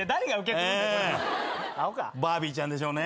バービーちゃんでしょうね。